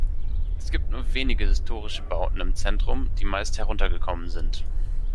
Es gibt nur wenige historische Bauten im Zentrum, die meist heruntergekommen sind.